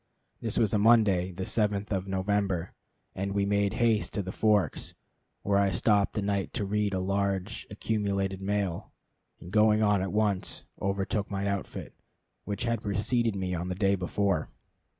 This was a Monday, the 7th of November, and we made haste to the Forks, where I stopped a night to read a large, accumulated mail, and going on at once, overtook my outfit, which had preceded me on the day before.